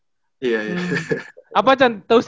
ayo kerja keras ya